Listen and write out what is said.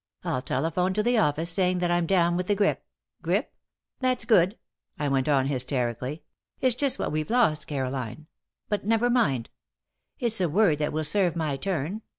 I'll telephone to the office saying that I'm down with the grip. Grip? That's good," I went on, hysterically. "It's just what we've lost, Caroline. But never mind! It's a word that will serve my turn.